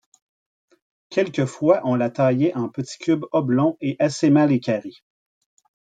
Quelquefois on la taillait en petits cubes oblongs et assez mal équarris.